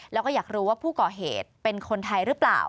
แล้วก็อยากรู้ว่าผู้ก่อเหตุเป็นคนไทยหรือเปล่า